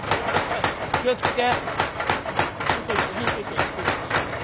気を付けて！